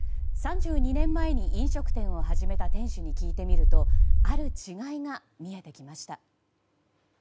３２年前に飲食店を始めた店主に聞いてみるとある違いが見えてきました。